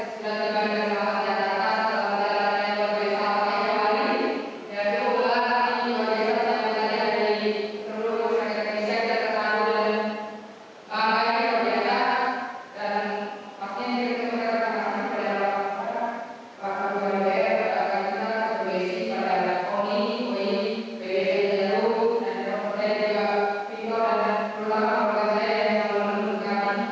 selamat pagi semuanya